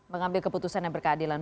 mengambil keputusan yang berkeadilan